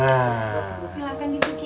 silahkan di cici